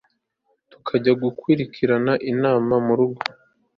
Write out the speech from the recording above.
tukajya gukurikiranira mama murugo